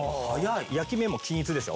焼き目も均一でしょ？